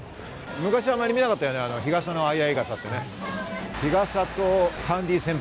昔あまり見なかったよね、日傘の相合傘って。